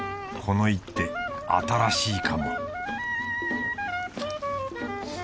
この一手新しいかも